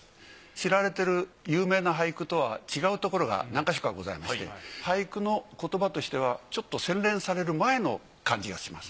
知られている有名な俳句とは違うところが何か所かございまして俳句の言葉としてはちょっと洗練される前の感じがします。